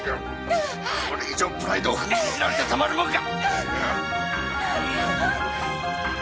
これ以上プライドを踏みにじられてたまるもんか！